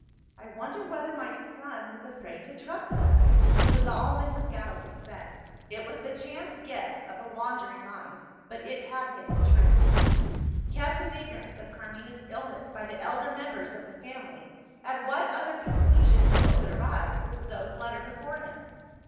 "I wonder whether my son was afraid to trust us?" was all Mrs. Gallilee said. It was the chance guess of a wandering mind but it had hit the truth. Kept in ignorance of Carmina's illness by the elder members of the family, at what other conclusion could Ovid arrive, with Zo's letter before him?